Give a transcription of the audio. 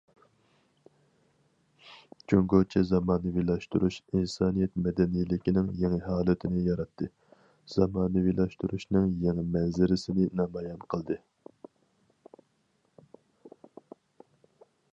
جۇڭگوچە زامانىۋىلاشتۇرۇش ئىنسانىيەت مەدەنىيلىكىنىڭ يېڭى ھالىتىنى ياراتتى، زامانىۋىلاشتۇرۇشنىڭ يېڭى مەنزىرىسىنى نامايان قىلدى.